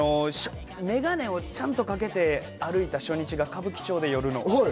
メガネをちゃんとかけて歩いた初日が歌舞伎町で夜の。